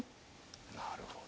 なるほど。